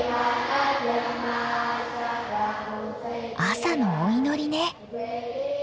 朝のお祈りね。